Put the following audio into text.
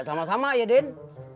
sama sama ya din